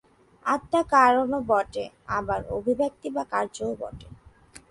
আত্মা কারণও বটে, আবার অভিব্যক্তি বা কার্যও বটে।